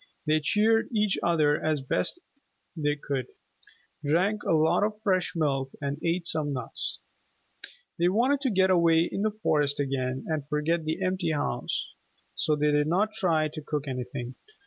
They cheered each other as best they could, drank a lot of the fresh milk and ate some nuts. They wanted to get away into the forest again and forget the empty house, so they did not try to cook anything.